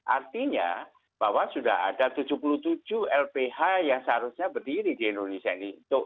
artinya bahwa sudah ada tujuh puluh tujuh lph yang seharusnya berdiri di indonesia ini